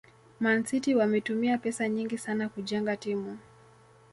Man City wametumia pesa nyingi sana kujenga timu